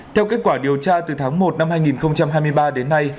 theo kết quả điều tra từ tháng một năm hai nghìn hai mươi ba đến nay